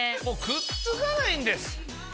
もうくっつかないんです。